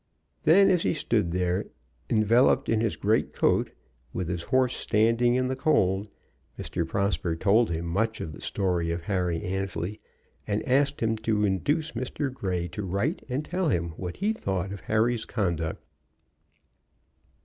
Then as he stood there, enveloped in his great coat, with his horse standing in the cold, Mr. Prosper told him much of the story of Harry Annesley, and asked him to induce Mr. Grey to write and tell him what he thought of Harry's conduct.